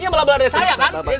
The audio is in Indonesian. iya balak balak dari saya kan